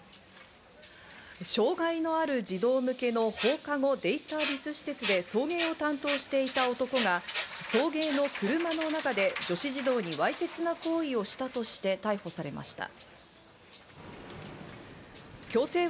障害のある児童向けの放課後デイサービス施設で送迎を担当していた男が送迎の車の中で女子児童にわいせつな行為をしたとして逮捕されました。